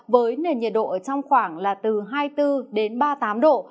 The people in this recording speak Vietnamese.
với nền nhiệt độ ở trong khoảng là từ hai mươi bốn đến ba mươi tám độ